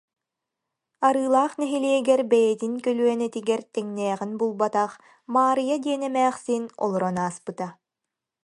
Арыылаах нэһилиэгэр бэйэтин көлүөнэтигэр тэҥнээҕин булбатах Маарыйа диэн эмээхсин олорон ааспыта